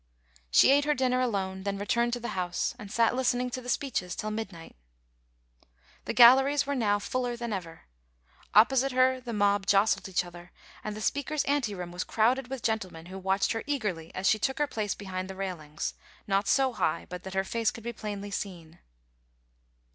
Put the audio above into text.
She ate her dinner alone ; then re turned to the House, and sat listening to the speeches till midnight The galleries were now fuller than ever. Opposite her the mob jostled each other ; and the Speaker's anteroom was crowded with gentlemen, who watched her eagerly as she took her place behind the railings, not so high but that her face could be plainly seen.